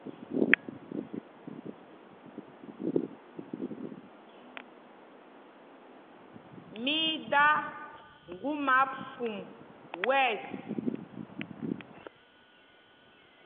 Mí í dā ŋgúma pum wɛ̂ɛs.